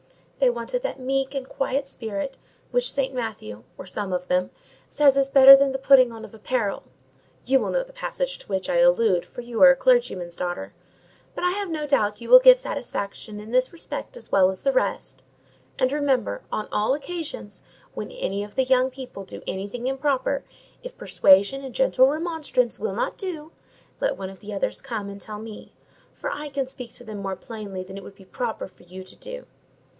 They wanted that meek and quiet spirit, which St. Matthew, or some of them, says is better than the putting on of apparel—you will know the passage to which I allude, for you are a clergyman's daughter. But I have no doubt you will give satisfaction in this respect as well as the rest. And remember, on all occasions, when any of the young people do anything improper, if persuasion and gentle remonstrance will not do, let one of the others come and tell me; for I can speak to them more plainly than it would be proper for you to do.